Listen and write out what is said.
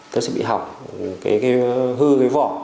nó sẽ bị hỏng hư cái vỏ